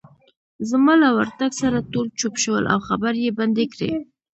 زما له ورتګ سره ټول چوپ شول، او خبرې يې بندې کړې.